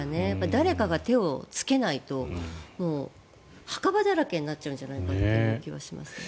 誰かが手をつけないと墓場だらけになっちゃうんじゃないかという気がします。